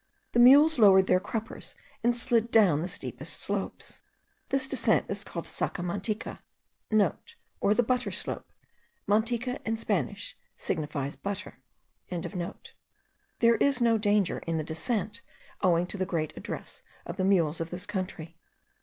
The mules lowered their cruppers and slid down the steepest slopes. This descent is called Saca Manteca.* (* Or the Butter Slope. Manteca in Spanish signifies butter.) There is no danger in the descent, owing to the great address of the mules of this country.